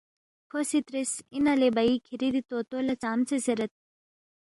کھو سی ترِس، اِنا لے بھئی کِھری دِی طوطو لہ ژامژے زیرید؟